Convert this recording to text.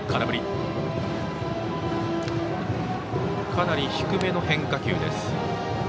かなり低めの変化球です。